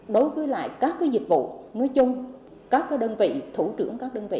đối với các dịch vụ nói chung các đơn vị thủ trưởng các đơn vị